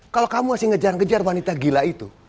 kalau kamu masih ngejar ngejar wanita gila itu